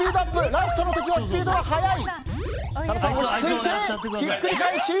ラストの敵はスピードが速い！